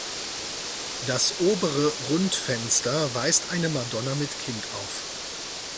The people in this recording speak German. Das obere Rundfenster weist eine Madonna mit Kind auf.